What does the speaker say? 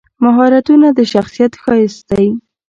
مهارتونه د شخصیت ښایست دی.